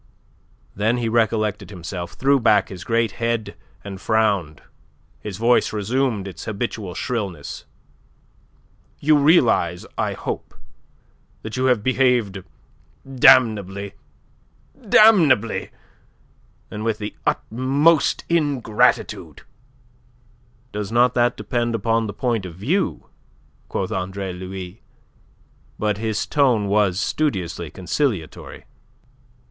Then he recollected himself, threw back his great head and frowned. His voice resumed its habitual shrillness. "You realize, I hope, that you have behaved damnably... damnably, and with the utmost ingratitude?" "Does not that depend upon the point of view?" quoth Andre Louis, but his tone was studiously conciliatory.